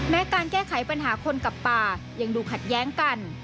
การแก้ไขปัญหาคนกับป่ายังดูขัดแย้งกัน